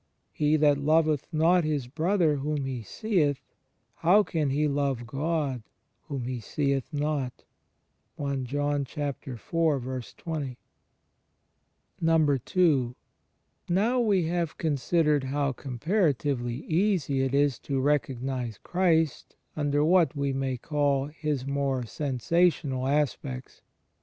"He that loveth not his brother whom he seeth, how can he love God, whom he seeth not?" ^ n. Now we have considered how comparatively easy it is to recognize Christ imder what we may call His more sensational aspects.